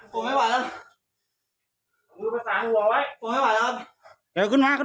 ก็พูดว่าผมห่อมผมห่อม